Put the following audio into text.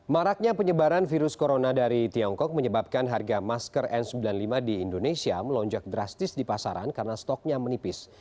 maraknya penyebaran virus corona dari tiongkok menyebabkan harga masker n sembilan puluh lima di indonesia melonjak drastis di pasaran karena stoknya menipis